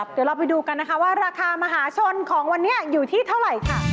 เดี๋ยวเราไปดูกันนะคะว่าราคามหาชนของวันนี้อยู่ที่เท่าไหร่ค่ะ